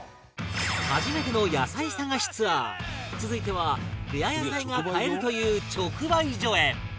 初めての野菜探しツアー続いてはレア野菜が買えるという直売所へ